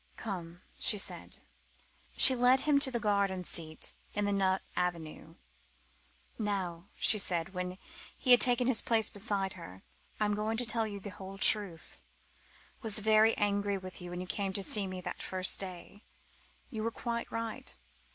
"Come," she said. She led him to the garden seat in the nut avenue. "Now," she said, when he had taken his place beside her, "I'm going to tell you the whole truth. I was very angry with you when you came to me that first day. You were quite right.